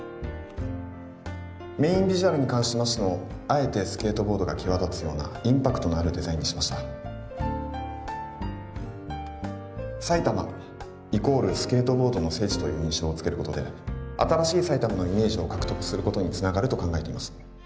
メインビジュアルに関しましてもあえてスケートボードが際立つようなインパクトのあるデザインにしました埼玉＝スケートボードの聖地という印象をつけることで新しい埼玉のイメージを獲得することにつながると考えています